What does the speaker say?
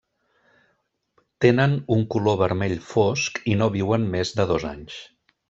Tenen un color vermell fosc, i no viuen més de dos anys.